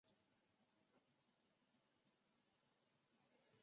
道光二十年十一月初十丙寅逝世。